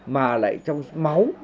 mà lại trong máu